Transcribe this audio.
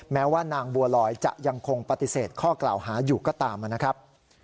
แม้ว่านางบัวลอยจะยังคงปฏิเสธข้อกล่าวหาอยู่ก็ตามนะครับ